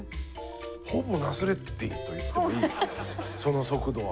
ほぼナスレッディンと言ってもいいその速度は。